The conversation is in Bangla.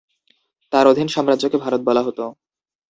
তার অধীন সাম্রাজ্যকে ভারত বলা হতো।